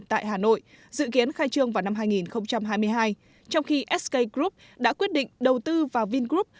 tại hà nội dự kiến khai trương vào năm hai nghìn hai mươi hai trong khi sk group đã quyết định đầu tư vào vingroup